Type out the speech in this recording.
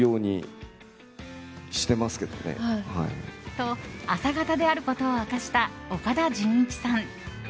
と、朝型であることを明かした岡田准一さん。